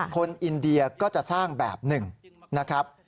คนอินเดียก็จะสร้างแบบหนึ่งนะครับ